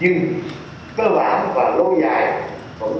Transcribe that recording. nhưng cơ bản và lâu dài vẫn là phải tiếp tục tối phóng